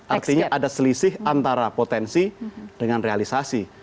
artinya ada selisih antara potensi dengan realisasi